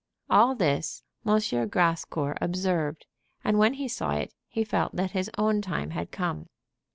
All this M. Grascour observed, and when he saw it he felt that his own time had come.